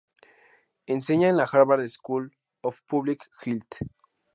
Enseña en la Harvard School of Public Health.